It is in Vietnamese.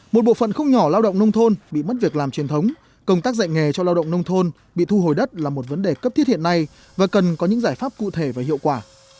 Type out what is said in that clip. một bộ phận không nhỏ lao động nông thôn bị mất việc làm truyền thống công tác dạy nghề cho lao động nông thôn bị thu hồi đất là một vấn đề cấp thiết hiện nay và cần có những giải pháp cụ thể và hiệu quả